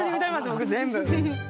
僕全部！